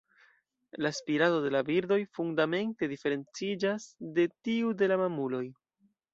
La spirado de la birdoj fundamente diferenciĝas de tiu de la mamuloj.